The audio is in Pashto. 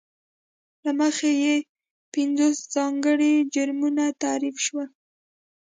له مخې یې پینځوس ځانګړي جرمونه تعریف شول.